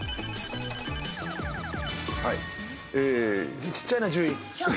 字ちっちゃいな１０位。